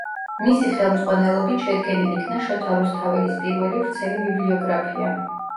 მისი ხელმძღვანელობით შედგენილ იქნა შოთა რუსთაველის პირველი ვრცელი ბიბლიოგრაფია.